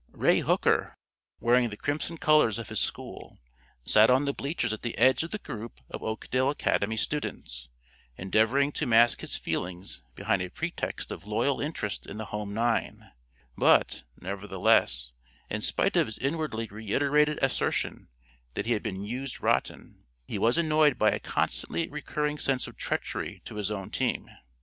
Roy Hooker, wearing the crimson colors of his school, sat on the bleachers at the edge of the group of Oakdale Academy students, endeavoring to mask his feelings behind a pretext of loyal interest in the home nine; but, nevertheless, in spite of his inwardly reiterated assertion that he had been used "rotten," he was annoyed by a constantly recurring sense of treachery to his own team.